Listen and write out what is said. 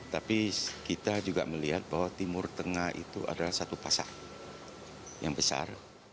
tapi kita juga melihat bahwa timur tengah itu adalah satu pasar yang besar